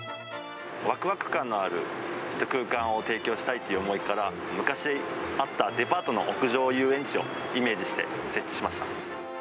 わくわく感のある空間を提供したいという思いから、昔あったデパートの屋上遊園地をイメージして設置しました。